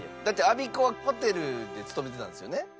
だってアビコはホテルで勤めてたんですよね？